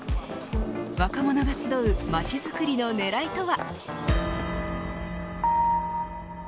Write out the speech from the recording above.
若者が集う街づくりのねらいとは。